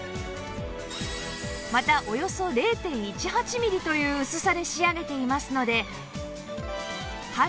またおよそ ０．１８ ミリという薄さで仕上げていますので